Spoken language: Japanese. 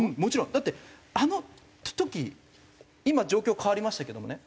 だってあの時今状況変わりましたけどもね